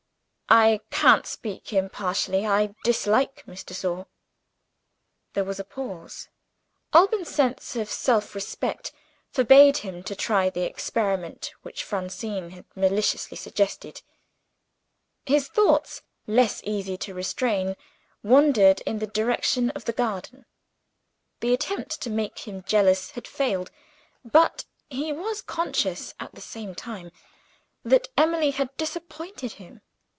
"I can't speak impartially; I dislike Miss de Sor." There was a pause. Alban's sense of self respect forbade him to try the experiment which Francine had maliciously suggested. His thoughts less easy to restrain wandered in the direction of the garden. The attempt to make him jealous had failed; but he was conscious, at the same time, that Emily had disappointed him.